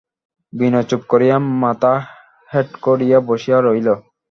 বিনয় চুপ করিয়া মাথা হেঁট করিয়া বসিয়া রহিল।